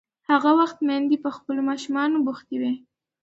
هغه وخت میندې په خپلو ماشومانو بوختې وې.